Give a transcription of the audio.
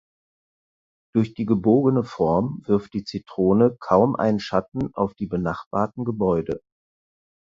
Durch die gebogene Form wirft die Zitrone kaum einen Schatten auf die benachbarten Gebäude.